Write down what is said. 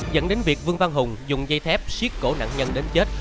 dẫn đến việc vương văn hùng dùng dây thép xiết cổ nạn nhân đến chết